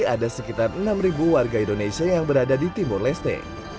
ada sekitar enam warga indonesia yang berada di timur leste